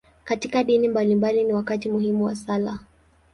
Katika dini mbalimbali, ni wakati muhimu wa sala.